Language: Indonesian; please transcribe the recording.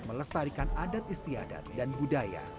melestarikan adat istiadat dan budaya